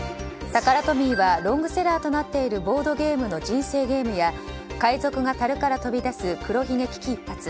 タカラトミーはロングセラーとなっているボードゲームの人生ゲームや海賊がたるから飛び出す黒ひげ危機一発